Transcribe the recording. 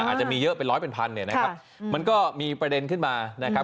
อาจจะมีเยอะเป็นร้อยเป็นพันเนี่ยนะครับมันก็มีประเด็นขึ้นมานะครับ